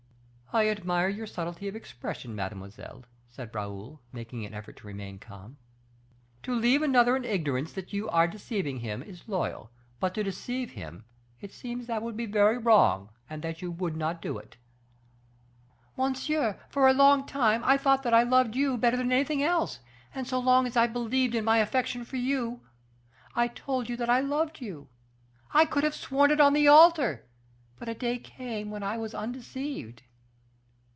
"I admire your subtlety of expression, mademoiselle," said Raoul, making an effort to remain calm. "To leave another in ignorance that you are deceiving him, is loyal; but to deceive him it seems that would be very wrong, and that you would not do it." "Monsieur, for a long time I thought that I loved you better than anything else; and so long as I believed in my affection for you, I told you that loved you. I could have sworn it on the altar; but a day came when I was undeceived."